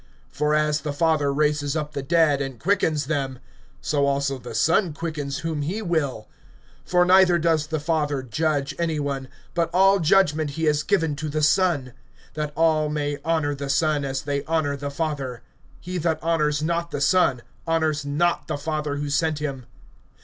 (21)For as the Father raises up the dead, and quickens them; so also the Son quickens whom he will. (22)For neither does the Father judge any one; but all judgment he has given to the Son; (23)that all may honor the Son, as they honor the Father. He that honors not the Son, honors not the Father who sent him.